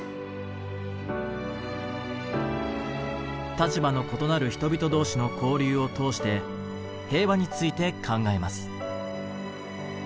立場の異なる人々同士の交流を通して平和について考えます。